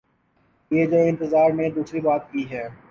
یہ جو انتظار نے دوسری بات کی ہے۔